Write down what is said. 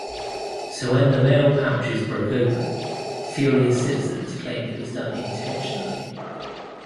So when the mail pouches broke open, furious citizens claimed it was done intentionally.